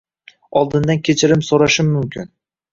Oldindan kechirim so'rashim mumkin